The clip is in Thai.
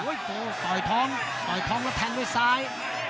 โอ้โหต่อยท้องต่อยท้องแล้วแทงด้วยซ้าย